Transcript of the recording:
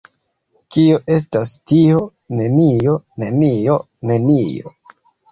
Kio estas tio? Nenio. Nenio. Nenio.